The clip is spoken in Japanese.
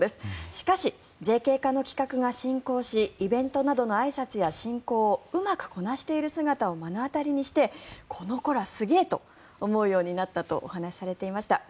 しかし、ＪＫ課の企画が進行しイベントなどのあいさつや進行をうまくこなしている姿を目の当たりにしてこの子らすげえと思うようになったとお話しされていました。